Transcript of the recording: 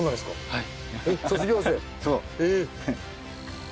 はい。